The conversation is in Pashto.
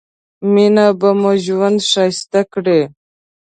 مينه به مو ژوند ښايسته کړي